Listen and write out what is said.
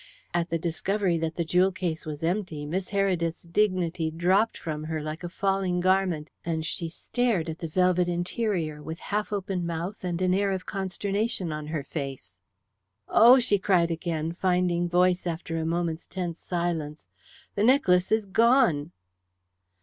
At the discovery that the jewel case was empty Miss Heredith's dignity dropped from her like a falling garment, and she stared at the velvet interior with half open mouth and an air of consternation on her face. "Oh!" she cried again, finding voice after a moment's tense silence. "The necklace is gone."